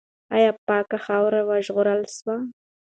آیا پاکه خاوره وژغورل سوه؟